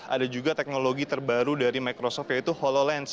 ada juga teknologi terbaru dari microsoft yaitu hololens